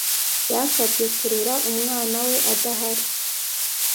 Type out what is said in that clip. Yansabye kurera umwana we adahari.